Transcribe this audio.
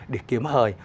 để kiếm hời